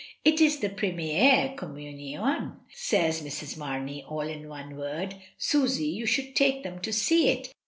"It is the premiere commumonj^ says Mrs. Mamey all in one word. "Susy, you should take them to see it.